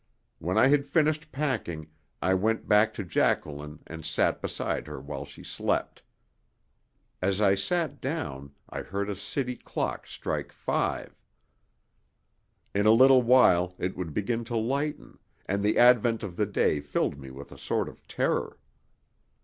When I had finished packing I went back to Jacqueline and sat beside her while she slept. As I sat dawn I heard a city clock strike five. In a little while it would begin to lighten, and the advent of the day filled me with a sort of terror.